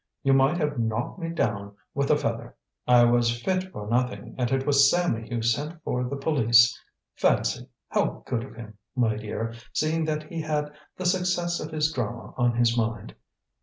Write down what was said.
you might have knocked me down with a feather. I was fit for nothing, and it was Sammy who sent for the police. Fancy! how good of him, my dear, seeing that he had the success of his drama on his mind.